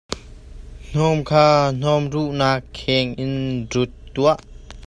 Hnawm kha hnawm ruhnak kheng in rut tuah.